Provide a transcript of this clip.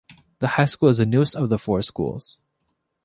The High School is the newest of the four schools.